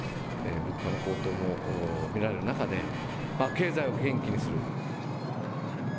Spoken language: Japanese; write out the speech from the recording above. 物価の高騰も見られる中で経済を元気にする。